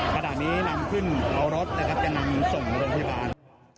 ขณะนี้นำขึ้นเอารถนะครับจะนำส่งโรงพยาบาล